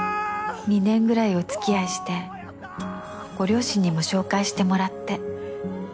２年ぐらいおつきあいしてご両親にも紹介してもらって。